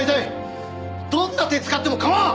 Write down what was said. どんな手使っても構わん！